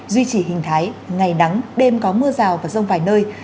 duy trì hình thái ngày nắng đêm có mưa rào và rông vài nơi